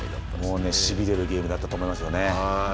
もう少しで取れるゲームだったと思いますね。